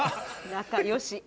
仲良し。